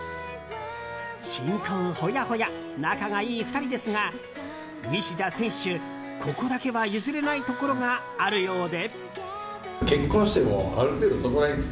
新婚ほやほや仲がいい２人ですが西田選手、ここだけは譲れないところがあるようで。